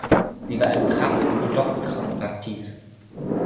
Sie war im Trap und Doppeltrap aktiv.